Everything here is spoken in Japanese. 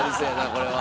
これは。